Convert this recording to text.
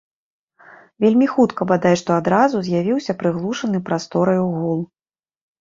Вельмі хутка, бадай што адразу, з'явіўся прыглушаны прастораю гул.